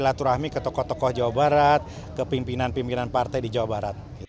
silaturahmi ke tokoh tokoh jawa barat ke pimpinan pimpinan partai di jawa barat